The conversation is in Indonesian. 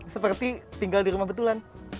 seperti tinggal di rumah betulan